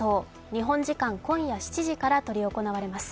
日本時間今夜７時から執り行われます。